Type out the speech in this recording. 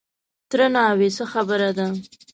_تره ناوې! څه خبره ده؟